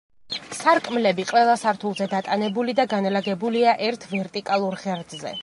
სარკმლები ყველა სართულზე დატანებული და განლაგებულია ერთ ვერტიკალურ ღერძზე.